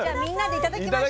いただきます。